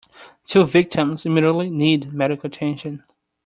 Two victims immediately need medical attention.